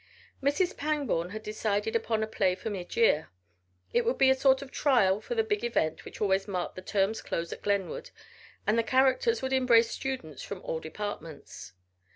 Mrs. Pangborn had decided upon a play for mid year. It would be a sort of trial for the big event which always marked the term's close at Glenwood and the characters would embrace students from all departments.